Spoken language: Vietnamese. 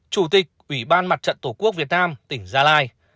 chủ tịch ủy ban mặt trận tổ quốc việt nam tỉnh gia lai